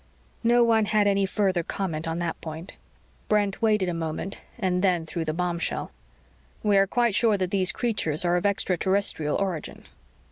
No one had any further comment on that point. Brent waited a moment and then threw the bombshell. "We are quite sure that these creatures are of extraterrestrial origin."